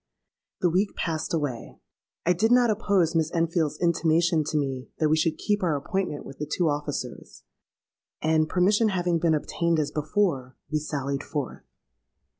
The week passed away: I did not oppose Miss Enfield's intimation to me that we should keep our appointment with the two officers; and, permission having been obtained as before, we sallied forth.